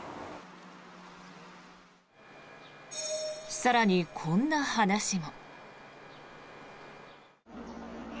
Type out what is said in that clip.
更に、こんな話も。